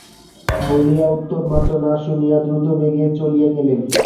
বলিয়া উত্তরমাত্র না শুনিয়া দ্রুতবেগে চলিয়া গেলেন।